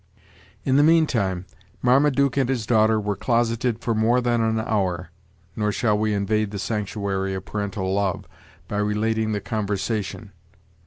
In the mean time, Marmaduke and his daughter were closeted for more than an hour, nor shall we invade the sanctuary of parental love, by relating the conversation.